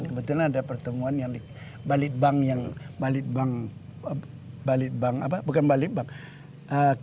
kebetulan ada pertemuan yang di balik bank yang balik bank balik bank apa bukan balik bank